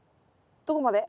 どこまで？